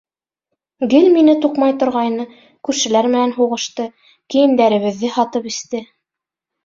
Гел мине туҡмай торғайны, күршеләр менән һуғышты, кейемдәребеҙҙе һатып эсте.